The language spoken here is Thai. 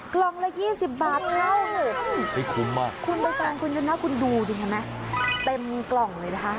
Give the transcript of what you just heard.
กล่องละ๒๐บาทเหรอคุณผู้ชมดูดิไหมเต็มกล่องเลยนะคะ